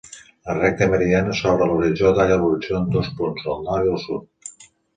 La recta meridiana sobre l'horitzó talla l'horitzó en dos punts, el nord i el sud.